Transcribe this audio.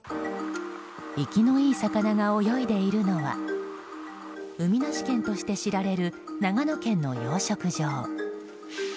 生きのいい魚が泳いでいるのは海なし県として知られる長野県の養殖場。